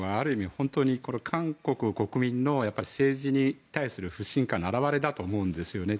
本当に韓国国民の政治に対する不信感の表れだと思うんですよね。